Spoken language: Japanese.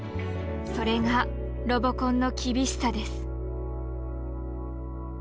それがロボコンの厳しさです。